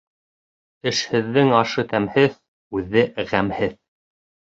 Эшһеҙҙең ашы тәмһеҙ, үҙе ғәмһеҙ.